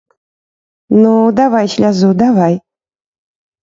Ну, давай слязу, давай!